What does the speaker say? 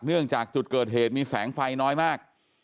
จากจุดเกิดเหตุมีแสงไฟน้อยมาก